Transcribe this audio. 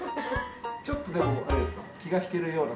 ちょっとでもこれ。